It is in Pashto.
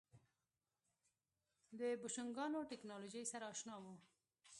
د بوشنګانو ټکنالوژۍ سره اشنا وو.